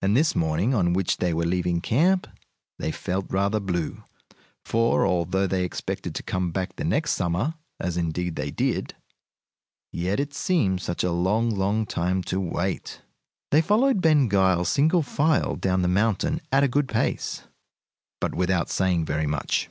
And this morning, on which they were leaving camp, they felt rather blue, for, although they expected to come back the next summer, as indeed they did, yet it seemed such a long, long time to wait! They followed Ben Gile single file down the mountain at a good pace, but without saying very much.